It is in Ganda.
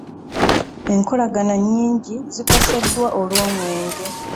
Enkolagana nyingi zikoseddwa olw'omwenge .